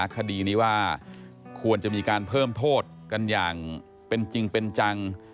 คดีนี้ว่าควรจะมีการเพิ่มโทษกันอย่างเป็นจริงเป็นจัง